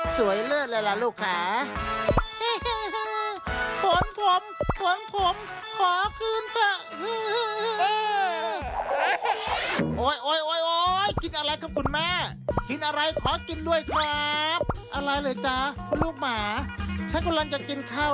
สวยเลิศเลยล่ะลูกค้า